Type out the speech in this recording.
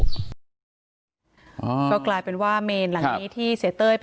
ก็กลายเป็นว่าเมนหลังนี้ที่เสียเต้ยไป